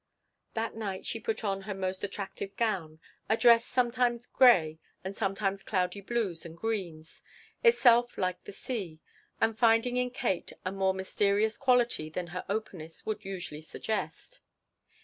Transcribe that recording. That night she put on her most attractive gown, a dress sometimes gray and sometimes cloudy blues and greens, itself like the sea, and finding in Katie a more mysterious quality than her openness would usually suggest.